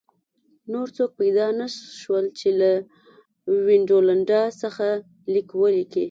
نور څوک پیدا نه شول چې له وینډولانډا څخه لیک ولیکي